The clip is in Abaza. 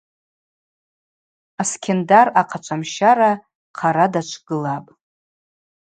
Аскьындар ахъачвамщара хъара дачвгылапӏ.